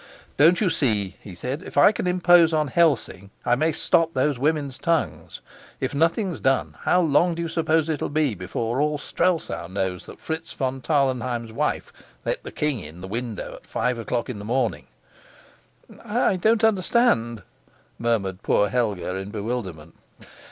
"Don't you see," he said, "if I can impose on Helsing, I may stop those women's tongues? If nothing's done, how long do you suppose it'll be before all Strelsau knows that Fritz von Tarlenheim's wife let the king in at the window at five o'clock in the morning?" "I don't understand," murmured poor Helga in bewilderment.